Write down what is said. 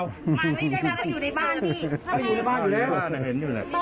มาไม่ใช่ว่าเขาอยู่ในบ้านหรอพี่